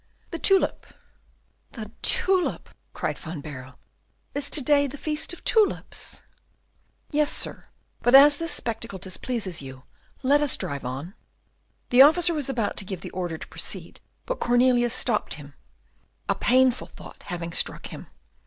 "The tulip." "The tulip!" cried Van Baerle, "is to day the feast of tulips?" "Yes, sir; but as this spectacle displeases you, let us drive on." The officer was about to give the order to proceed, but Cornelius stopped him, a painful thought having struck him.